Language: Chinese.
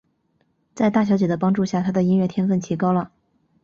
在大小姐的帮助下他的音乐天份提高了。